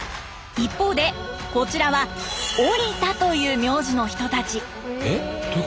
一方でこちらはオリタという名字の人たち。